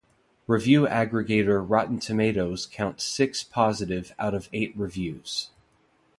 Review aggregator Rotten Tomatoes counts six positive out of eight reviews.